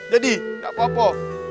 jadi enggak apa apa